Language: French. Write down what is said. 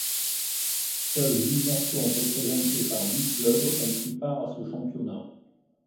Seuls huit nations représentées par huit clubs ont pris part à ce championnat.